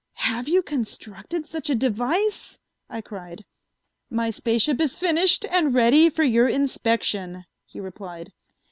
"Have you constructed such a device?" I cried. "My space ship is finished and ready for your inspection," he replied.